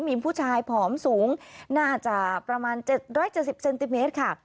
มีผู้ชายผอมสูงน่าจะประมาณ๗๗๐เซนติเมตรค่ะ